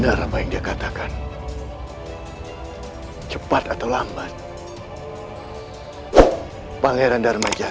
akhirnya tidak lushgandh